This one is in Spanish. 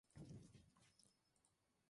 Déjate de hostias y baja ya de ahí o te bajo yo